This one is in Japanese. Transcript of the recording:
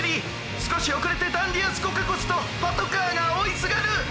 すこしおくれてダンディア・スコカコスとパトカーがおいすがる！」。